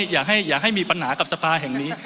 อย่าให้มีปัญหากับสภาแห่งนี้